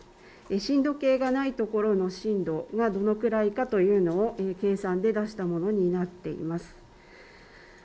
震度計がないところの震度、どれくらいかというのを計算で出したものになっています。